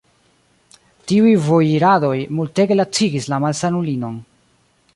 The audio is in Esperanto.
Tiuj vojiradoj multege lacigis la malsanulinon.